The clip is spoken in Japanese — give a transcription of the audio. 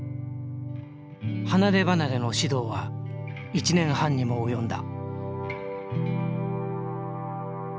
離れ離れの指導は１年半にも及んだ。